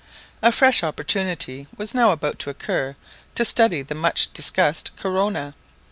A fresh opportunity was now about to occur to study the much discussed corona.